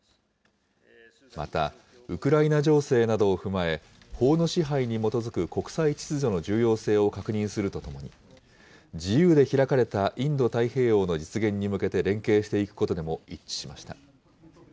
またウクライナ情勢などを踏まえ、法の支配に基づく国際秩序の重要性を確認するとともに、自由で開かれたインド太平洋の実現に向けて連携していくことでも一致しました。